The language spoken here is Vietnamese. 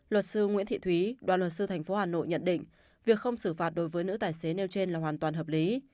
luật sư nguyễn thị thúy đoàn luật sư tp hà nội nhận định việc không xử phạt đối với nữ tài xế nêu trên là hoàn toàn hợp lý